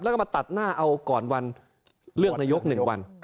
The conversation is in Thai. แล้วก็มาตัดหน้าเอาก่อนวันเลือกนายก๑วัน